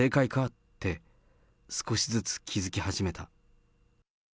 って、少しずつ気付き始めた。